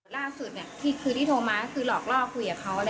ต้นก็มีแค่คนเดียวคือเขา